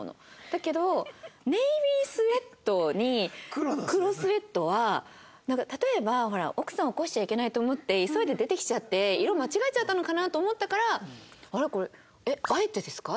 だけどネイビースウェットに黒スウェットはなんか例えば奥さんを起こしちゃいけないと思って急いで出てきちゃって色間違えちゃったのかなと思ったから「あれ？これえっあえてですか？」